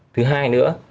thứ hai nữa